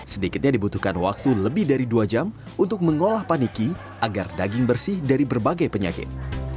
sedikitnya dibutuhkan waktu lebih dari dua jam untuk mengolah paniki agar daging bersih dari berbagai penyakit